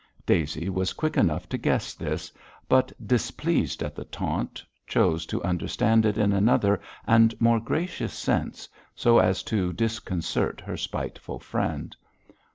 Daisy was quick enough to guess this, but, displeased at the taunt, chose to understand it in another and more gracious sense, so as to disconcert her spiteful friend.